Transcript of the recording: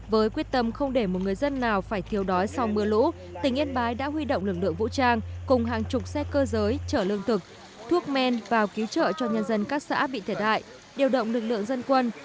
với quyết tâm không để một người dân nào phải thiếu đói sau mưa lũ tỉnh yên bái đã huy động lực lượng vũ trang cùng hàng chục xe cơ giới chở lương thực thuốc men vào cứu trợ cho nhân dân các xã bị thiệt hại